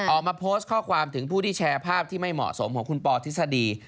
ออกมาโพสต์ข้อความถึงผู้ที่แชร์ภาพที่ไม่เหมาะสมของคุณปอทฤษฎี